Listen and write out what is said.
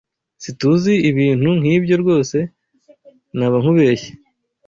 SiTUZI ibintu nkibyo ryose nabankubeshye.